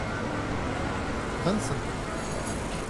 Vingt-cinq.